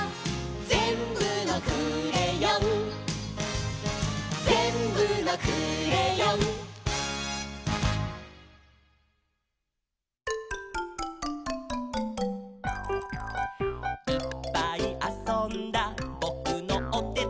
「ぜんぶのクレヨン」「ぜんぶのクレヨン」「いっぱいあそんだぼくのおてて」